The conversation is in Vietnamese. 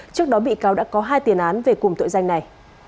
trước đó bị cáo đã có hai tiền án về cùng tội danh này